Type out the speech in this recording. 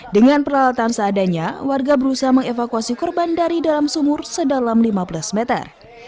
dengan peralatan seadanya warga berusaha mengevakuasi korban dari dalam sumur sedalam lima belas meter